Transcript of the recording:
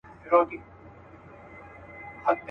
ستنيدل به په بېغمه زړه تر کوره.